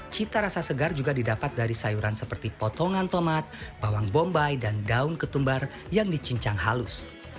cita rasa segar juga didapat dari sayuran seperti potongan tomat bawang bombay dan daun ketumbar yang dicincang halus